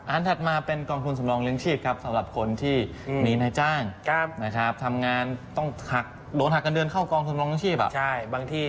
อันถัดมาเป็นกองทุนสำรองเลี้ยงชีพครับสำหรับคนที่มีนายจ้างทำงานต้องหลวนหักกันเดินเข้ากองทุนสำรองเลี้ยงชีพ